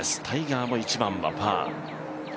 タイガーも１番はパー。